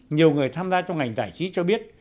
nhiều người tham gia trong ngành giải trí cho biết